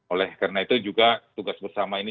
oleh karena itu juga tugas bersama ini